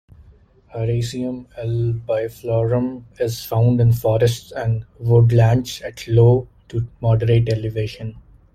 "Hieracium albiflorum" is found in forests and woodlands at low to moderate elevation.